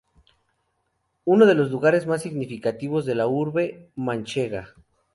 Es uno de los lugares más significativos de la urbe manchega.